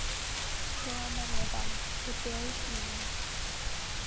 There are many of them, with various meanings.